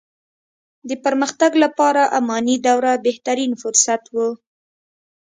د پرمختګ لپاره اماني دوره بهترين فرصت وو.